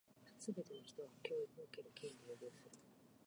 すべて人は、教育を受ける権利を有する。